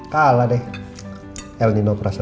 kalah deh el nino perasaan